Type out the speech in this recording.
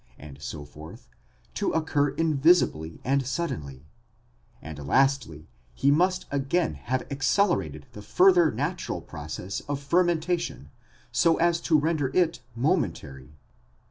and so forth, to occur invisibly and suddenly ; and lastly, he must again have accelerated the further natural process of fermentation, so as to render it momentary.